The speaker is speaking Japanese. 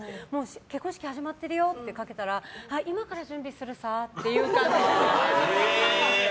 結婚式始まってるよってかけたら今から準備するさっていう感じで。